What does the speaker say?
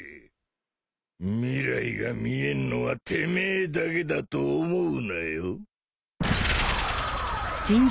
未来が見えんのはてめえだけだと思うなよ。